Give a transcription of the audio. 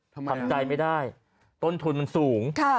ทำใจไม่ได้ต้นทุนมันสูง